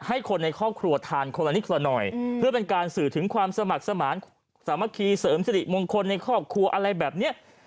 ให้คนในครอบครัวทานคนละนิดละหน่อยเพื่อเป็นการสื่อถึงความสมัครสมานสามัคคีเสริมสิริมงคลในครอบครัวอะไรแบบนี้